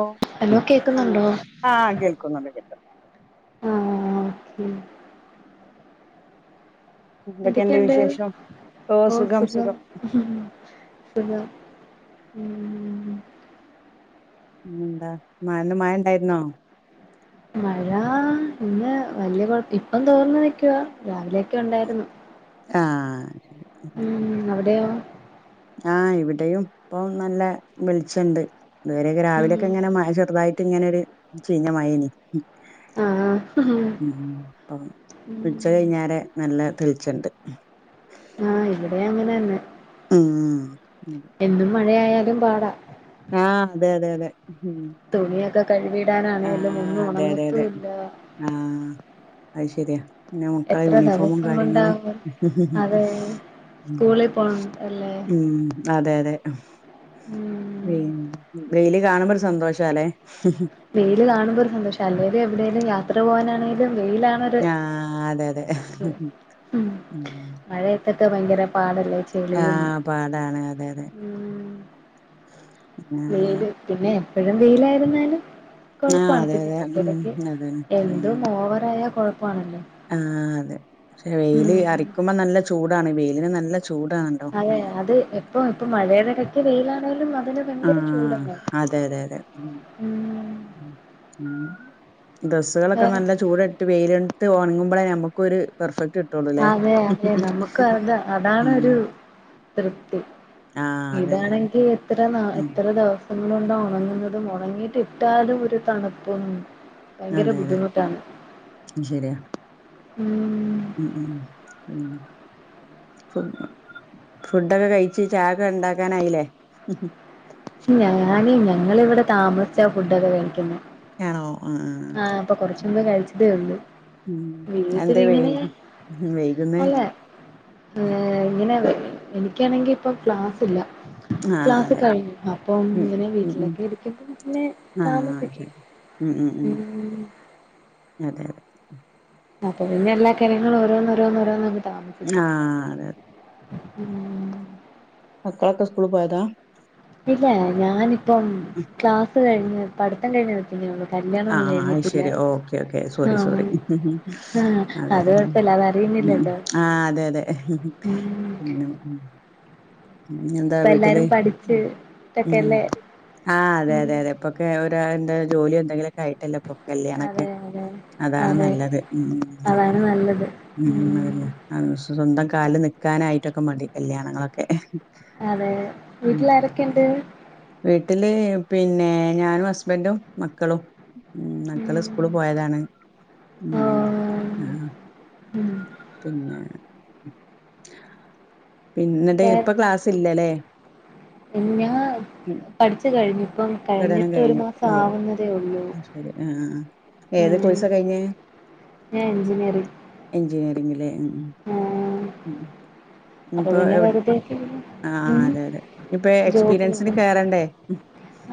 ഓ hello ആഹ് കേക്കുന്നുണ്ടോ ആഹ് കേൾക്കുന്നുണ്ട് കേൾക്കുന്നുണ്ട് ആഹ് ഓക്കെ എന്തൊക്കെയുണ്ട് ഓ സുഖം സുഖം ഉം പിന്നെന്താ മഴ ന്ന് മഴ ഉണ്ടായിരുന്നോ മഴ ഇന്ന് വല്യ കുഴപ്പ ഇപ്പം തോർന്ന് നിക്കുവാ രാവിലെയൊക്കെ ഉണ്ടായിരുന്നു ആഹ് ആഹ് ശരി ഉം അവിടെയോ ആഹ് ഇവിടെയും ഇപ്പൊ നല്ല വെളിച്ചണ്ട് ഇതുവരെയെക്കെ ഉം രാവിലെയൊക്കെ ഇങ്ങനെ ചെറുതായിട്ട് ഇങ്ങനെ ഒരു ചീഞ്ഞ മഴനീ ആഹ് ഉം ഉം ഇപ്പം ഉം ച്ച കഴിഞ്ഞാരെ നല്ല തെളിച്ചണ്ട് ആഹ് ഇവടിം അങ്ങനെന്നെ ആഹ് എന്നും മഴയായാലും പാട ആഹ് അതെ അതെ അതെ ഉം തുണിയൊക്കെ കഴികിടാനാണേലും ആഹ് അതെ അതെ അതെ ഒന്നുണങ്ങത്തൂല്ല ആഹ് അത് ശെരിയാ പിന്നെ മക്കളെ എത്ര യൂണിഫോമും ദിവസം കാര്യങ്ങളും കൊണ്ടാകും അതെ ഉം സ്കൂളിൽ പോണ അല്ലേ ഉം അതെ അതെ വെയ് ഉം വെയില് കാണുമ്പൊരു സന്തോഷം [unintelligible] വെയിൽ കാണുമ്പോ ഒരു സന്തോഷ അല്ലേലും എവടേലും യാത്ര പോകാനാണെകിലും വെയിലാണ് ആഹ് അതെ അതെ ഉം [unintelligible] ഭയങ്കര പാടല്ലേ ചെളിയും പാടാണ് അതെ അതെ ഉം ആ വെയിലും പിന്നെ എപ്പഴും വെയിലായിരുന്നാലും കൊഴപ്പാണ് അതെ പിന്നെ അതെ ഉം എടയ്ക്കെടയ്ക്ക് അതാണ് എന്തും ഓവറായ കൊഴപ്പാണല്ലോ ആഹ് അതെ ക്ഷെ വെയില് ഉം അറിക്കുമ്പോ നല്ല ചൂടാണ് വെയിലിന് നല്ല ചൂടാണ് അതെ അത് എപ്പഴും ഇപ്പ മഴേടെ എടക്ക്‌ വെയിലാണേലും അതിന് ഭയങ്കര ആഹ് ചൂടാണ് അതെ അതെ അതെ ഉം ഉം ഡ്രസ്സുകളൊക്കെ വേറെ നല്ല ചൂട് ട്ട് വെയിലൊണ്ട്ട്ട് ഒണങ്ങുമ്പളെ ഞമ്മക്കൊര് പെർഫെക്ട് അതെ അതെ നമക്കതാ ഉം അതാണൊരു തൃപ്തി ആ അതെ അതെ അതെ ഇതാണെങ്കി എത്ര ന ഉം എത്ര ദിവസം ങൊണ്ടാ ഒണങ്ങുന്നത് ഒണങ്ങിട്ട്ടാലും ഒരു തണുപ്പും ഭയങ്കര അതെ അതെ ബുദ്ധിമുട്ടാണ് ഉം ശെരിയാ ഉം ഉം ഉം പിന്നെ ഫുഡ് ഫുഡൊക്കെ കഴിച്ച് ചായക്കെണ്ടാക്കാനായിലെ ഇല്ല ഞാനില്ല ഞങ്ങളിവടെ താമസിച്ച ഫുഡൊക്കെ കഴിക്ക്‌ന്നെ യേണോ [unintelligible] ആഹ് ഇപ്പൊ കൊർച്ച് മുമ്പേ കഴിച്ചതെള്ളു ഉം എന്താ വെയ് വെയ്കുന്നെ ഏ ഇങ്ങനെ എനിക്കാണെങ്കി ഇപ്പൊ ക്ലാസ്സില്ല ക്ലാസ് കഴിഞ്ഞു അപ്പം ഉ ഇങ്ങനെ ഉ ഉ വീട്ടിലൊക്കെ ഇരിക്കുമ്പം പിന്നെ ഉ ആഹ് താമസിക്കും ശെരി ഉ ഉ ഉ ഉം അതെയതെ അപ്പ പിന്നെ എല്ലാ കാര്യങ്ങളും ഓരോന്നോരോന്നോരോന്ന് താവും ആഹ് അതെ ഉം മക്കളൊക്കെ സ്കൂള് പോയതാ ഇല്ല ഞാനിപ്പം ക്ലാസ് കഴിഞ്ഞ് പട്ത്തം കഴിഞ് നി ആഹ് അത് ശെരി ഓക്കെ ഓക്കെ സോറി ആഹ് സോറി ആഹ് അതെ അത് ഉം കൊഴപ്പല്ല ഉം അതറിയുന്നില്ലല്ലോ ആഹ് അതെ അതെ ഉം പിന്ന ഉം ഞ്ഞി എന്താ ഇപ്പ വീട്ടില് എല്ലാരും പഠിച്ച് ഉം ട്ടൊക്കെല്ലേ ആഹ് അതെ ഉം അതെ അതെ ഇപ്പൊക്കെ ഒര് എന്താ ജോലിയോ എന്തെങ്കിലൊക്കായിട്ടല്ലെ പ്പൊ കല്യാണൊക്കെ അതെ അതെ അതാണ് അതെ നല്ലത് ഉം ഉം അതാണ് അതന്നെ നല്ലത് ഉം ഉം അതന്നെ അഹ് സ്വന്തം കാലില് നിൽക്കാനായിട്ടൊക്കെ മതി കല്യാണങ്ങളൊക്കെ അതെ ഉം വീട്ടിൽ ആരൊക്കെണ്ട് വീട്ടില് പിന്നെ ഞാനും ഹസ്ബന്റും മക്കളും. ഉം മക്കള് സ്കൂള് പോയതാണ് ഉം ഓഹ് ഉം ഉം പിന്നെ പിന്നെ ഇന്നട്ട് വേറെ ഇപ്പം ക്ലാസ് ഇല്ലലെ? ഞാൻ പഠിച്ചു കഴിഞ്ഞു ഇപ്പം പഠനം കഴിഞ്ഞിട്ട് ഒരു കഴിഞ്ഞു മാസം ഓ ആവുന്നതേ ഒള്ളൂ ശരി ആഹ് ആഹ് ആഹ് ഏത് കൊഴ്സാ കഴിഞ്ഞെ ഞാൻ എഞ്ചിനിയറിംഗ്. എഞ്ചിനീയറിങ്ങ്ലേ ഉം ആഹ് ഉം അപ്പൊ ഇപ്പോ എവ്ടെ [inaudible] ആഹ് ആഹ് അതെ അതെ ഇഞ് ഇപ്പം ജോബ് എക്സ്പീരിയൻസിന് കിട്ടും കേറണ്ടേ?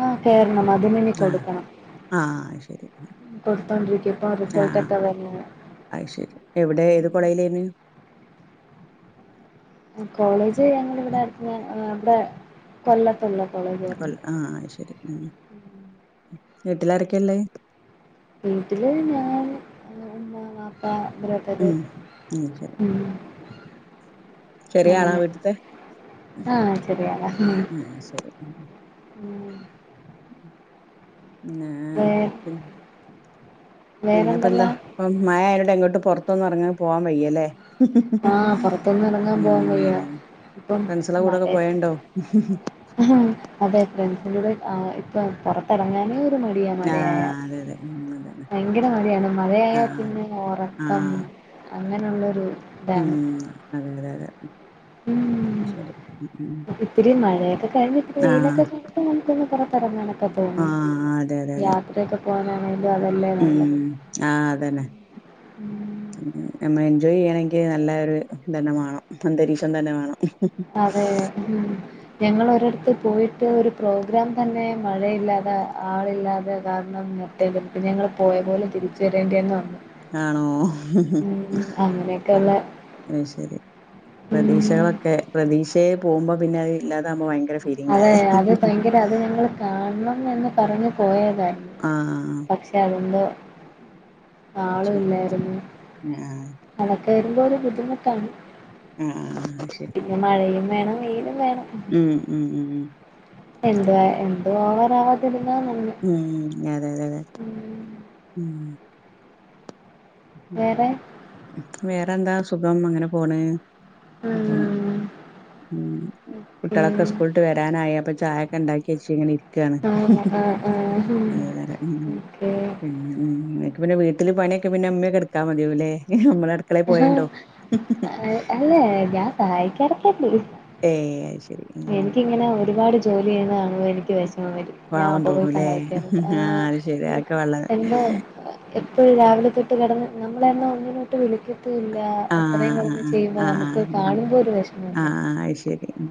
ആഹ് കേറണം അത് ഇനി ആ കൊടുക്കണം ആ ശരി ഉം കൊടുത്തോണ്ടിരിക്കപ്പം റിസൾട്ടൊക്കെ വന്ന് അത്ശരി എവിടെ ഏത് കൊളേജിലെയിനി ആഹ് കോളേജ് ഞങ്ങളിവിടെ അട്ത്ത് ഇവടെ കൊൽ ആഹ് അത്ശെരി ഉം വീട്ടിലാരെക്കെള്ളെ? വീട്ടില് ഞാൻ ഉമ്മ വാപ്പ ഇവരൊ അത് ഉം ഉം ചെറിയ ആളാ അങ്ങനെ വീട്ട്ത്തെ ഉം ആഹ് ചെറിയ ആളാ ഉം ശരി ഉം പിന്നെ വേ ഉം വേറെന്തല്ലാ പിന്നെപ്പന്താ ഇപ്പം മഴ ആയതോണ്ട് എങ്ങട്ടും പൊറതൊന്നും എറങ്ങാ പോവാൻ വയ്യാല്ലേ ആഹ് പുറത്തൊന്നും ഇറങ്ങാൻ പോവാൻ ഉം വയ്യ അതെന്നെ ഇപ്പം ഫ്രണ്ട്സളെ കൂടൊക്കെ മഴയത്ത് പൊവേണ്ടോ അതെ ഫ്രണ്ട്സിന്റുടെ ആ ഇപ്പൊ പൊറത്തെറങ്ങാന് ഇൻക്ക് മടിയാ ആ മഴയായ അതെ അതെ ഉം അതെതെ ഭയങ്കര മടിയാണ് മഴയായ ആ പിന്നെ ആ ഒറക്കം അങ്ങനൊള്ളൊരു ഉം അതെ അതെ അതെ ഉം ശരി ഉം ഉം. ഇത്തിരി മഴയൊക്കെകഴിഞ് ഇത്തിരി ആ വെയിലൊക്കെ കിട്ടുമെങ്കി ഒന്ന് പൊറത്തെറങ്ങണം ഒക്കെ ആ തോന്നി അതെ അതെ അതെ യാത്രയൊക്കെ പോകാനാണെിലും അതല്ലേ നല്ലത്. ആഹ് അതന്നെ ഉം നമ്മള് എൻജോയ് ചെയ്യണെങ്കി നല്ലൊര് ഇതന്നെ വാണം അന്തരീക്ഷം തന്നെ വാണം അതെ ഞങ്ങളൊരെ ടത്ത് പോയിട്ട് ഒരു പ്രോഗ്രാം തന്നെ മഴയില്ലാതെ ആളില്ലാതെ കാരണം എന്നിട്ട് പിന്നെ ഞങ്ങള് പോയ പോലെ തിരിച്ച് വരേണ്ടിവന്നു അന്ന് ആണോ അങ്ങനെയൊക്കെയുള്ള അത് ശരി ഉം പ്രതീക്ഷകളൊക്കെ പ്രതീക്ഷയേ പോകുമ്പോ പിന്നെ അത് ഇല്ലാതാകുമ്പോ ഭയങ്കര സ അതെ അത് ഭയങ്കര അത് ഞങ്ങള് കാണണം എന്ന് പറഞ്ഞു പോയതായിരുന്നു ആഹ് പക്ഷെ അതെന്തോ ആളു ശരി ഇല്ലായിരുന്നു ആഹ് അതൊക്കെ വരുമ്പോ ഒരു ബുദ്ധിമുട്ടാണ് ആഹ് ആഹ് അത്ശരി പിന്നെ മഴയും വേണം വെയിലും വേണം ഉം ഉം ഉം ഉം എന്തുവാ എന്തും ഓവറവാതിരുന്നാ നന്ന് ഉം അതെയതെയതെ ഉം ഉം വേറെ വേറെന്താ സുഖം അങ്ങനെ പോണ് പ്പ ഉം [unintelligible] ഉം കുട്ടിയാളൊക്കെ സ്കൂളിട്ട് വരാനായി അപ്പൊ ചായൊക്കെ ഇണ്ടാക്കി വെച്ച് ഇങ്ങനെ ഇര് രിക്കാണ് ആഹ് [unintelligible] ആഹ് ആഹ് ഹും ഓക്കെ ഉം ഉം പിന്നെ വീട്ടില് പണിയൊക്കെ പിന്നെ ഇമ്മയൊക്കെ ഇടുക്കാ മതിയാവുംല്ലേ അമ്മള് അടുക്കളേ പോയണ്ടോ അല്ലേ ഞാൻ സഹായിക്കാറൊക്കെണ്ട് ഏഹ് അയ്ശരി എനിക്കിങ്ങനെ ഒരുപാട് ജോലി ചെയ്യുന്നതാണുമ്പോ എനിക്ക് വെഷമം വെരും ഞാൻ പാവം അപ്പ പോയി തോന്നൂല്ലേ സഹായിക്കാറുണ്ട് ആഹ് ഏഹ് അത് ശരി എനിക്ക് അതൊക്കെ വെള്ള എന്തോ എപ്പൊഴും രാവിലെ തൊട്ട് കെടന്ന് നമ്മളെന്നാ ഒന്നിനുട്ട് വിളിക്കു ല്ല അത്രയും ആഹ് കെടന്ന് ചെയ്യുമ്പോ നമുക്കത് കാണുമ്പോ ഒരു വെഷമല്ലേ ആയ്ശെരി ഉം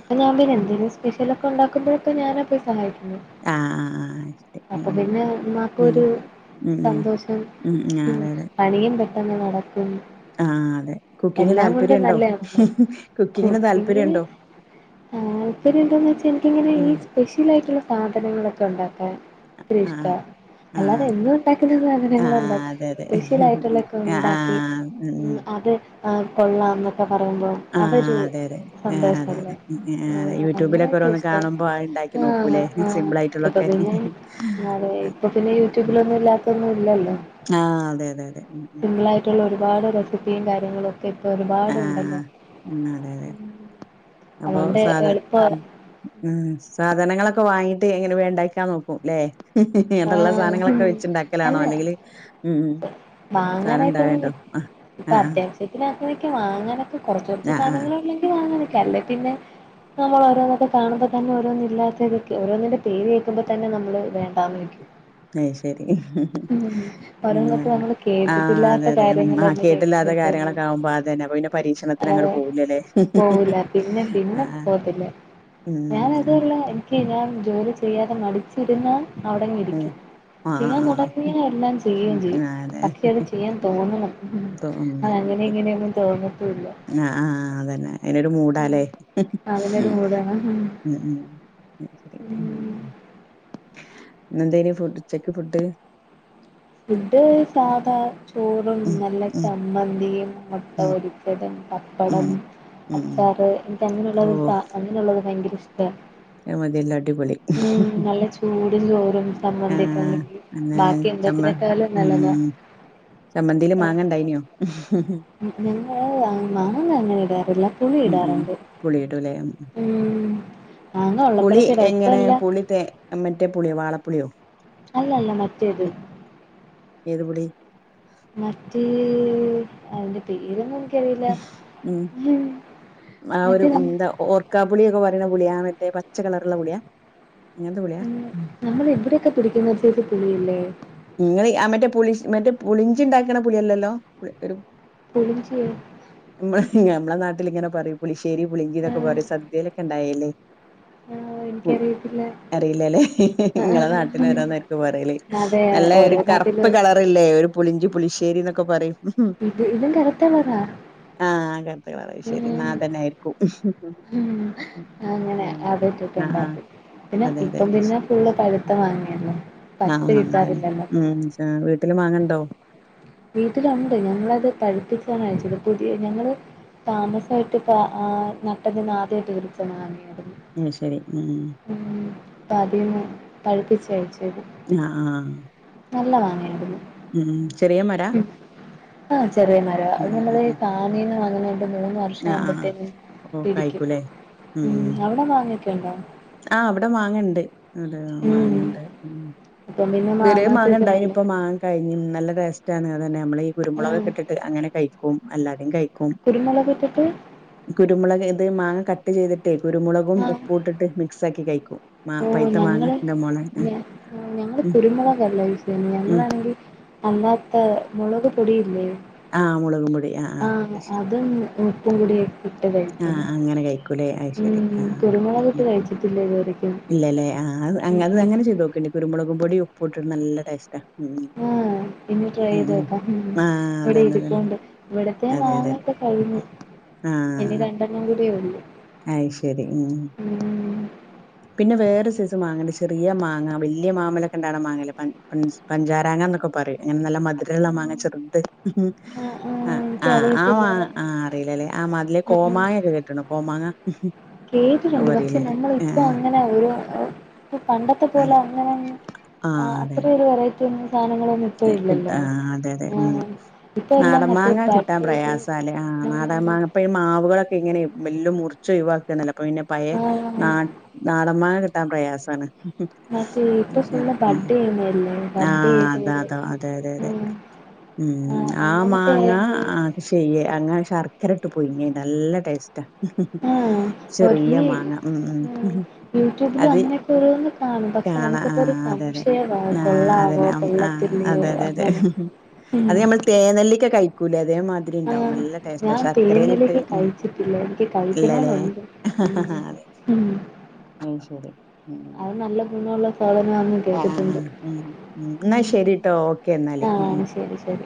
അപ്പൊ ഞാൻ പിന്നെ എന്തെങ്കിലും സ്പെഷ്ലൊക്കെ ഉണ്ടാക്കുമ്പോഴൊക്കെ ഞാനാ പോയി സഹായിക്കുന്നേ ആഹ് ശരി അപ്പൊ ഉം പിന്നെ ഉം ഇമ്മാക്കൊരു ഉം സന്തോഷം ഉം പണിയും പെട്ടെന്ന് നടക്കും ആ അതെ കുക്കിംങ് എല്ലാം കൊണ്ടും താല്പര്യംണ്ടോ നല്ലതാണ് കുക്കിങ്ങിന് താല്പര്യംണ്ടോ? താല്പര്യണ്ടോന്ന് വെച്ചാ എനിക്കിങ്ങനെ ഈ ഉം സ്പെഷ്യൽ ആയിട്ടുള്ള സാധനങ്ങളൊക്കെ ഒണ്ടാക്കാൻ ഇഷ്ട്ടാ ആഹ് അല്ലാതെ ആഹ് എന്നും ഉണ്ടാക്കുന്ന ആഹ് സാധനങ്ങളുണ്ടാക്ക അതെ അതെ സ്പെഷ്യൽ ആയിട്ടുള്ളൊക്കെ ഉണ്ടാക്കി ആഹ് ഉം അത് ആഹ് കൊള്ളാം എന്നൊക്കെ പറയുമ്പോ അതൊരു ആഹ് അതെ അതെ ആഹ് അതെ അതെ സന്തോഷല്ലേ ആഹ് ആ അതെ യൂട്യൂബിലൊക്കെ അങ്ങനോക്കെ ഓരോന്ന് ഇഷ്ട കാണുമ്പോ അത് ഇണ്ടാക്കി ആഹ് നോക്കൂലേ ആഹ് സിമ്പിൾ ഇപ്പൊ ആയിട്ടുള്ളൊക്കെ പിന്നെ അതെ ഇപ്പൊ പിന്നെ യൂട്യൂബിലൊന്നും ഇല്ലാത്തൊന്നും ഇല്ലല്ലോ ആഹ് അതെ അതെ അതെ ഉം ഉം മറ്റുള്ള ഒരുപാട് റെസിപ്പിയും കാര്യങ്ങളുവൊക്കെ ഇപ്പൊ ഒരുപാടുണ്ടെല്ലോ ആഹ് ഉം അതെ അതെ അപ്പൊ അതുകൊണ്ട് സാധാ എളുപ്പ ഉം ഉം സാധനങ്ങളൊക്കെ വാങ്ങീട്ട് ഇങ്ങനെ വേം ഇണ്ടാക്കാ നോക്കും ലേ ഇള്ള ആഹ് സാധനങ്ങളൊക്കെ വെച്ചിണ്ടാക്കലാണോ അല്ലെങ്കില് ഉം ഉം വാങ്ങാനായിട്ട് ഒന്നുല്ല ഇപ്പൊ അത്യാവി [unintelligible] വാങ്ങാനൊക്കെ കൊറച്ച് കൊറച്ച് ആഹ് ആഹ് സാധനങ്ങൾ ഒള്ളെങ്കി വാങ്ങാനൊക്കെ അല്ലെ പിന്നെ നമ്മൾ ഓരോന്നൊക്കെ കാണുമ്പോ തന്നെ ഓരോന്നില്ലാത്തതൊക്കെ ഓരോന്നിന്റെ പേര് കേക്കുമ്പതന്നെ നമ്മള് വേണ്ടാന്ന് വെക്കും. അയ് ശരി ഉം ഓരോന്നൊക്കെ ഉം നമ്മള് ആഹ് അതെ കേട്ടിട്ടില്ലാത്ത അതെ ഉം ആഹ് കാര്യങ്ങളന്നെ കെട്ടില്ലാത്ത കേൾക്കുമ്പോഴത്തേന് കാര്യങ്ങളൊക്കെ ആകുമ്പൊ അതന്നെ പരീക്ഷണത്തിന് അതെ അങ്ങട് പോവൂലല്ലേ പോവൂല പിന്നെ പിന്നെ ആഹ് പോകത്തില്ല ഉം ഞാൻ അയന്നെ അതുമല്ല എനിക്ക് ഞാൻ ജോലി ചെയ്യാതെ മടിച്ചിരുന്നാ അവിടെങ്ങ് ഉം ഇരിക്കും ആഹ് ചെയ്യാൻ ആഹ് തൊട ആഹ് ങ്ങിയാ ഞാൻ എല്ലാം ചെയ്യോം ഉം ചെയ്യും ആഹ് അതെ പക്ഷെ അത് ചെയ്യാൻ തോന്നണം ഇപ്പൊ അതങ്ങനെ ഇങ്ങനെയൊന്നും തോന്നി ആ ആഹ് അതന്നെ അയിനൊരു ഉം മൂടാലേ അതിനൊരു മൂടാണ് ഉം ഉം അത് ശെരി ഉം ഇന്നെന്തേനി ഫുഡ് ഉച്ചക്ക് ഫുഡ് ഫുഡ് സാധാ ചോറും ഉം നല്ല ഉം ചമ്മന്തിയും, മുട്ട ഉം പൊരി ച്ചതും, ഉം പപ്പടം, ഉം അച്ചാറ് എനിക്ക് അങ്ങനെയുള്ളത് ഓഹ് [unintelligible] അങ്ങനുള്ളത് ഭയങ്കര ഇഷ്ട്ടാണ് അത് മതിയല്ലോ അടിപൊളി നല്ല ചൂടും ചോറും സമ്മന്തിയൊക്കെ ആഹ് ഉണ്ടെങ്കിൽ അന്നെ ബാക്കി ചമ്മ എന്തത്തിനെക്കാളും ഉം നല്ലതാ ചമ്മന്ദീല് മാങ്ങ ഇണ്ടായ്‌ന്യോ ഞങ്ങള് മാങ്ങ അങ്ങനെ ഇടാറില്ല പുളി ഉം ഉം ഇടാറുണ്ട് പുളിയിടുംല്ലേ ഉം ഉം മാങ്ങ ഉള്ളപ്പോഴക്കെ ഇടാ ഇപ്പ അല്ല ല് തേ അ മറ്റേ പുളിയോ വാളപുളിയോ അല്ല അല്ല മറ്റേത് ഏത് പുളി മറ്റേ അയിന്റെ പേരൊന്നും എനിക്കറിയില്ല ഉം ആ ഒരു മറ്റേ നം ന്താ ഓർ ക്കാപുളി ഒക്ക പറിണ പുളിയാ ആ മറ്റേ പച്ച കളറ്ള്ള പുളിയാ അങ്ങൻത്തെ പുളി ഉം നമ്മള് എവടെയക്ക പിടിക്കുന്ന ഒരു സൈസ് പുളി ഇല്ലേ ഇങ്ങള് ആ മറ്റേ പുളിഷ് മറ്റേ പുളിഞ്ചി ഇണ്ടാക്ക്ണ പുളി അല്ലല്ലോ ഒരു പുളിഞ്ചിയൊ മ്മളെ നമ്മെളെ നാട്ടില് ഇങ്ങനെ പറയും പുളിശേരി പുളിഞ്ചി ന്നൊക്കെ പറയും സദ്യെലൊക്കെ ഇണ്ടാവേല്ലെ ഉ പു അറീല ലെ ഇങ്ങളെ ആഹ് നാട്ടില് ആഹ് ഓരോന്നെര്ക്കും പറയല് അതെ നൽ ല്ലെ ഒരു ഓരോ കറപ്പ് നാട്ടിലും കളറില്ലേ ഒരു പുളിഞ്ചി പുളിശ്ശേരിന്നൊക്ക പറയും. ഇത് ഇതും കറത്ത കളറാ ആ കർത്ത കളറ് അയ് ശരി ന്നാ ഉം അതന്നെ ആയിരിക്കും ഉം ഉം അങ്ങനെ എന്താണ് അത് [unintelligible] ആഹ് ആഹ് ഇണ്ടാക്കി പിന്നെ അതെ അതെ ഇപ്പം പിന്നെ ഫുള്ള് പഴുത്ത മാങ്ങയല്ലോ പച്ച ആഹ് ആഹ് അതാണ് കിട്ടാറില്ല. ഉം ചാ വീട്ട്ല് മാങ്ങണ്ടോ വീട്ടില് ഒണ്ട് ഞങ്ങളത് പഴുപ്പിക്കാനാ വെച്ചത് പുതിയ ഞങ്ങള്. താമസായിട്ട് ഇപ്പ ആ നട്ടതിന്ന് ആദ്യായിട്ട വിര്ച്ചെന്ന്. [unintelligible] ഉം ശരി ഉം ഉം ഉം ഇപ്പ ആദ്യന്നെ പഴുപ്പിച്ച വെച്ചത് ആ ആഹ് നല്ല മാങ്ങെയ്‌ര്ന്നു ഉം ഉം ചെറിയ മരാ ആ ചെറിയ മരാ അത് ഉം ഉം നമ്മള് ഈ ഉം ഫാമീന്ന് വാങ്ന്നൊണ്ട് മൂന്ന് വ ആഹ് ആഹ് ഷാവുമ്പത്തേനും ഓ പിടിക്ക്യും കായ്ക്കൂലേ ഉം അവടെ മാങ്ങക്കെ ഉണ്ടോ ആ അവടെ മാങ്ങ ഇണ്ട് [unintelligible] ഉം മാങ്ങ ഇണ്ട്. ഉം ഇപ്പം പിന്നെ ഇത് വരെ മാങ്ങാ മാങ്ങ ഇണ്ടായിനി സീസണല്ലേ. ഇപ്പം മാ കഴിഞ്ഞി നല്ല ടേസ്റ്റാണ് അതന്നെ നമ്മള ഈ ആഹ് കുരുമോളകക്കെ ഇട്ടിട്ട് അങ്ങനെ കഴിക്കും അല്ലാതിം കഴിക്കും. കുരുമൊളകിട്ടിട്ട് കുരുമുളക് ഇത് മാങ്ങ കട്ട് ചെയ്ത്ട്ട് കുരുമുളകും ഉപ്പു ഇട്ട്ട്ട് മിക്സ് ആക്കി കഴിക്കും. മാ ഓ പൈത്ത മാങ്ങ ഞങ്ങള് ഇന്റെ മോളെ ഉം ഞ ഞങ്ങള് ഉം കുരുമുളകല്ല യൂസയ്യ ഉം ഞങ്ങളാണെങ്കി അല്ലാത്ത മുളക് പൊടി ഇല്ലേ. ആഹ് മുളകും പൊടി ആഹ് അയ്ശരി അതും ഉപ്പും കൂടി ഇട്ട്ട്ട് കഴിക്കും കുലേ അത് ശരി ആ ഉം കുരുമുളകിട്ട് കഴിച്ചിട്ടില്ല ഇതുവരേക്കും ഇല്ല ലെ ആ അത് അങ്ങ ഉം അത് ഉം അങ്ങനെ ചെയ്തൊക്കണ്ടി. കുരുമുളകും പൊടി ഉപ്പു ഇട്ട്ട്ട് നല്ല ടേസ്റ്റാ ഉം ഉം ഇഞ് ട്രൈ ചെയ്തൊക്കാം ഉം. ആഹ് ഇവടെ അതന്നെ അതന്നെ ഇരിപ്പുണ്ട് ഇവടത്തെ അതെ അതെ മാങ്ങോക്ക കഴിഞ്ഞു. ആഹ് ഒരണ്ണം കൂടിയേ ഒള്ളൂ അയ് ശരി ഉം പിന്നെ വേറെ സൈസ് മാങ്ങണ്ട്. ചെറിയ മാങ്ങ വലിയ മാമലൊക്കെ ഉണ്ടായ മാങ്ങയില്ലേ പണ്ട്. പഞ്ചാരാങ്ങന്നൊക്കെ പറയും അയ്നു നല്ല മധുരമുളള മാങ്ങ ചെറുത് ഉം ആഹ് ആ ആഹ് ആ് ആ ആ് എനിക്കറിയത്തില്ല മാങ്ങ അറിയില്ലല്ലേ ആ മതിലെ ആഹ് ആഹ് കോമായൊക്കെ. ട്ട്ണ് കോമാങ്ങാ കേട്ടിട്ടുണ്ട് പക്ഷെ ഞങ്ങൾ ഇപ്പോ അങ്ങനെ. പണ്ടത്തെ പോലെ അതെ അങ്ങനെ ആഹ് അതെ അതെ അത്ര ഒരു വെറൈറ്റി. ഇന്ന് സാധനങ്ങളൊന്നും ഇപ്പ ഇല്ലല്ലോ. കിട്ടാ അതെ അതെ ഉം ആഹ് ഇപ്പൊ എല്ലാം നാടൻ മറ്റേ മാങ്ങ ബഡ് കിട്ടാൻ ചെയ്ത് പ്രയാസവാ ആല്ലേ ആഹ് നാടൻമാങ്ങ. ഇപ്പം ഈ മാവുകളൊക്കെ ഇങ്ങനെ വല്ലും മുറിച്ച ഒഴിവാക്കിയന്നല്ല അപ്പം പിന്നെ പഴയ ആ ആഹ് നാടൻ മാങ്ങാ കിട്ടാൻ പ്രയാസവാണ്. മറ്റേ ഇപ്പൊ ശരി ഫുള്ള് ഉം ബഡ് ചെയ്യുന്നല്ലേ ബഡ് ആഹ് ചെയ്ത് അത് അതെ അതെ അതെ ആഹ് ഉം ആഹ് ആ അങ്ങനത്തെ മാങ്ങ ആയോണ്ട് അ ശ്യേ അങ്ങനെ ശർക്കര ഇട്ട് പൊയിങ്ങി നല്ല ടേസ്റ്റ് ആഹ് ചെറിയ മാങ്ങ ഉം ഉം യൂട്യൂബിൽ അത് അങ്ങനെയൊക്കെ ഓരോന്ന് കാണും പക്ഷെ കാണാ ആ നമുക്കിപ്പോ ഒരു അതെ അതെ സംശയവാ ആ കൊള്ളാവോ അതന്നെ കൊള്ള. ആ അതെ അതെ അതെ ഹ് ഹ് അത് നമ്മൾ തേനെല്ലിക്ക കഴിക്കൂല്ലേ അതേ മാതിരി ആഹ് ഞാൻ തേനെല്ലിക്ക ഉം കഴിച്ചിട്ടില്ല. എനിക്ക് ഇല്ലല്ലേ കഴിക്കണന്നുണ്ട്. അതെ ഉം അത് ശരി ഉം അത് നല്ല ഗുണമുള്ള സാധനമാണ് ആഹ് ആഹ്‌ ഉം ഉം എന്നാ ശരിട്ടോ ഓക്കെ എന്നാല് ഉം ഉം ആഹ് ശരി ശരി.